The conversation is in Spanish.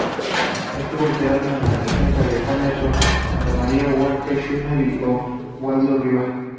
Estuvo alternando en la defensa con Anderson Santamaría, Werner Schuler y Oswaldo Rivas.